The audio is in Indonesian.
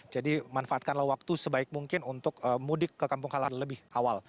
jadi manfaatkanlah waktu sebaik mungkin untuk mudik ke kampung kalah lebih awal